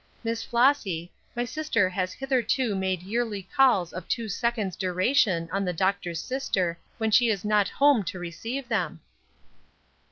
Miss Flossy, my sister has hitherto made yearly calls of two seconds' duration on the doctor's sister when she is not home to receive them."